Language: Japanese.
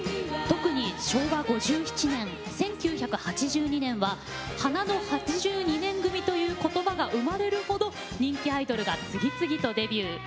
特に昭和５７年１９８２年は「花の８２年組」ということばが生まれるほど人気アイドルが次々とデビュー。